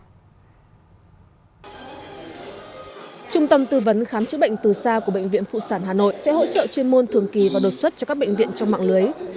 trung tâm tư vấn khám chữa bệnh từ xa của bệnh viện phụ sản hà nội sẽ hỗ trợ chuyên môn thường kỳ và đột xuất cho các bệnh viện trong mạng lưới